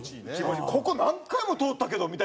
「ここ何回も通ったけど」みたいなのも。